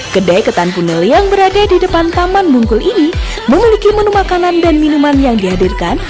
kedai ketan punel yang berada di depan taman bungkul ini memiliki menu makanan dan minuman yang dihadirkan